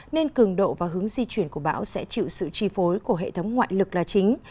nên cường độ và hướng di chuyển của bão sẽ chịu sự tri phối của hệ thống ngoại lực là chính